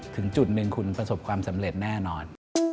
ถึงจุดหนึ่งคุณประสบความสำเร็จแน่นอน